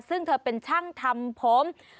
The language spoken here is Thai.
ซึ่งเธอเป็นช่างทำผม